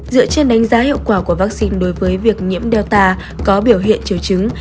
dựa trên đánh giá hiệu quả của vaccine đối với việc nhiễm delta có biểu hiện triều chứng